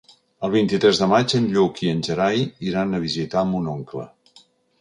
El vint-i-tres de maig en Lluc i en Gerai iran a visitar mon oncle.